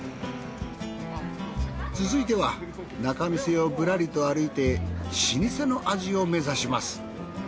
続いては仲見世をぶらりと歩いて老舗の味を目指します。